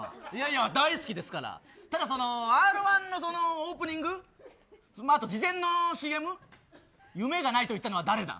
大好きですからただ、Ｒ−１のオープニング事前のＣＭ夢がないと言ったのは誰だ。